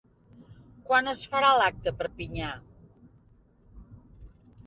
Quan es farà l'acte a Perpinyà?